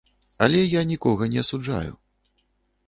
Але я нікога не асуджаю.